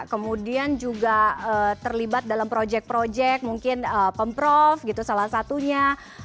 kemudian juga terlibat dalam proyek proyek mungkin pemprov gitu salah satunya